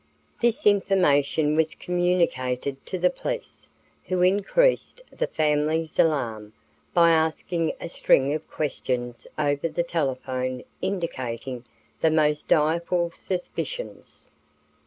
This information was communicated to the police, who increased the family's alarm by asking a string of questions over the telephone indicating the most direful suspicions.